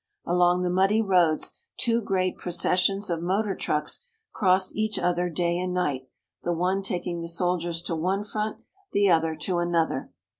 Along the muddy roads two great processions of motor trucks crossed each other day and night, the one taking the soldiers to one front, the other to another.